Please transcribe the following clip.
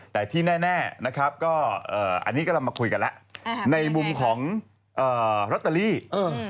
แต่ที่แน่นะครับก็อ่าอันนี้ก็เรามาคุยกันแล้วในมุมของอ่ารัตตาลีอืม